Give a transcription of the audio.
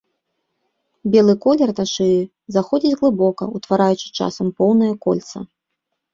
Белы колер на шыі заходзіць глыбока, утвараючы часам поўнае кольца.